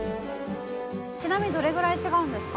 ちなみにどれぐらい違うんですか？